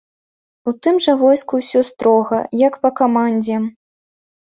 У тым жа войску ўсё строга, як па камандзе.